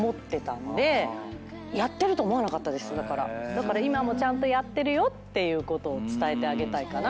だから今もちゃんとやってるよっていうことを伝えてあげたい。